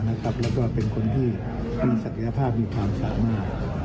แล้วก็เป็นคนที่มีศักยภาพมีความสามารถ